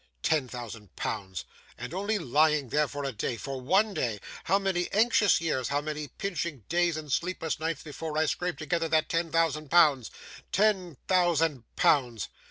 'Ten thousand pounds! And only lying there for a day for one day! How many anxious years, how many pinching days and sleepless nights, before I scraped together that ten thousand pounds! Ten thousand pounds!